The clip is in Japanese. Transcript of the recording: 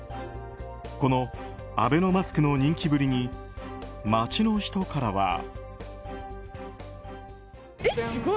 このアベノマスクの人気ぶりに街の人からは。